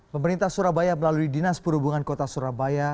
pemerintah surabaya melalui dinas perhubungan kota surabaya